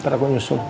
ntar aku nyusul